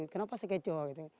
kenapa sakeco gitu